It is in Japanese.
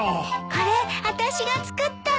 これあたしが作ったの。